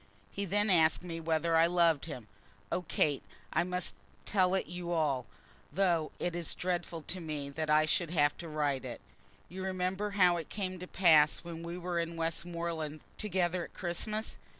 He then asked me whether I loved him. Oh, Kate, I must tell it you all, though it is dreadful to me that I should have to write it. You remember how it came to pass when we were in Westmoreland together at Christmas?